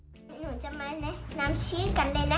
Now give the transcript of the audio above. หนูจะมาแนะนำชีสกันเลยนะคะ